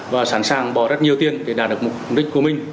và sẵn sàng bỏ rất nhiều tiền để đạt được mục đích của mình